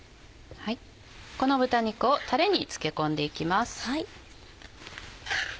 この豚肉をたれに漬け込んでいきます。